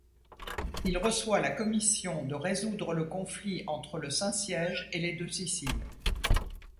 Il reçoit la commission de résoudre le conflit entre le Saint-Siège et les Deux-Siciles.